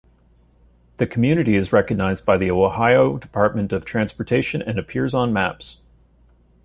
The community is recognized by the Ohio Department of Transportation and appears on maps.